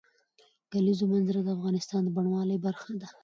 د کلیزو منظره د افغانستان د بڼوالۍ برخه ده.